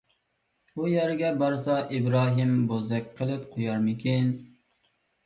ئۇ يەرگە بارسا ئىبراھىم بوزەك قىلىپ قويارمىكىن.